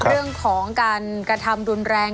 เรื่องของการกระทำรุนแรง